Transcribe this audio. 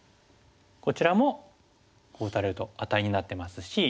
こちらもこう打たれるとアタリになってますし。